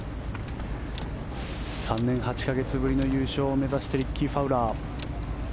３年８か月ぶりの優勝を目指してリッキー・ファウラー。